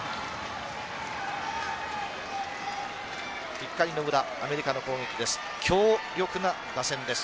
１回の裏アメリカの攻撃です。